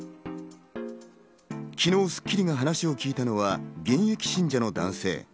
昨日『スッキリ』が話を聞いたのは現役信者の男性。